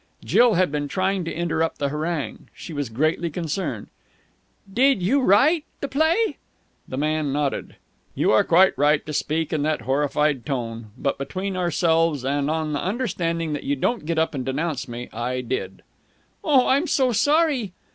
Jill had been trying to interrupt the harangue. She was greatly concerned. "Did you write the play?" The man nodded. "You are quite right to speak in that horrified tone. But between ourselves and on the understanding that you don't get up and denounce me, I did." "Oh, I'm so sorry!"